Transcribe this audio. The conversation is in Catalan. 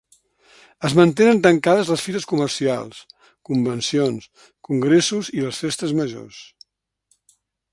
Es mantenen tancades les fires comercials, convencions, congressos i les festes majors.